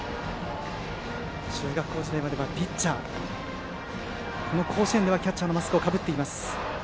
中学校時代まではピッチャーの福原この甲子園ではキャッチャーのマスクをかぶっています。